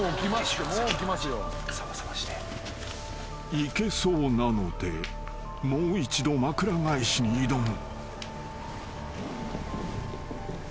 ［いけそうなのでもう一度まくら返しに挑む］